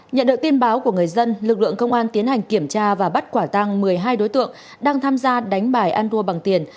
nhận được tin báo của người dân lực lượng công an tiến hành kiểm tra và bắt quả tăng một mươi hai đối tượng đang tham gia đánh bài ăn đua bằng tiền